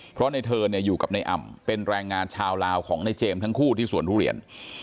เพราะในเธอเนี่ยอยู่กับนายอ่ำเป็นแรงงานชาวลาวของในเจมส์ทั้งคู่ที่สวนทุเรียน